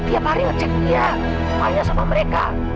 tiap hari ngecek dia mainnya sama mereka